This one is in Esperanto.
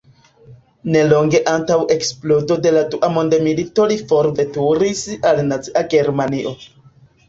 Nelonge antaŭ eksplodo de la Dua mondmilito li forveturis al Nazia Germanio.